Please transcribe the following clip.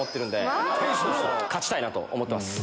勝ちたいなと思ってます。